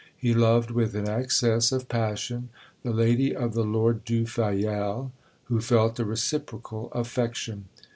He loved, with an excess of passion, the lady of the Lord du Fayel, who felt a reciprocal affection.